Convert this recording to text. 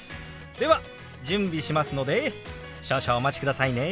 では準備しますので少々お待ちくださいね。